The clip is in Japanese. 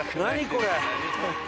これ。